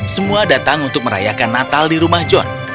semua datang untuk merayakan natal di rumah john